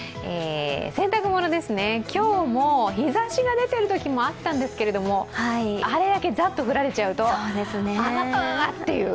洗濯物、今日も日ざしが出ているときもあったんですけれども、あれだけザッと降られちゃうと、わぁっていう。